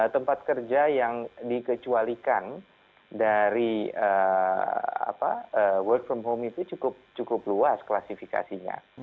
tempat kerja yang dikecualikan dari work from home itu cukup luas klasifikasinya